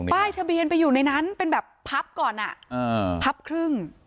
ป้ายทะเบียนไปอยู่ในนั้นเป็นแบบพับก่อนพับครึ่ง